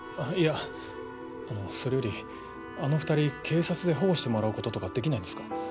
あっいやあのそれよりあの２人警察で保護してもらうこととかできないんですか？